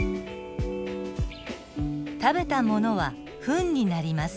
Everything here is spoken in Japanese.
食べたものはふんになります。